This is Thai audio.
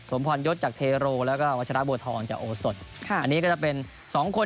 พรยศจากเทโรแล้วก็วัชราบัวทองจากโอสดค่ะอันนี้ก็จะเป็นสองคน